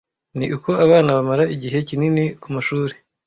ni uko abana bamara igihe kinini ku mashuri,